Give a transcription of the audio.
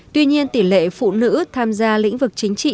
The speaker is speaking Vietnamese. tuy nhiên tỷ lệ phụ nữ tham gia lĩnh vực chính trị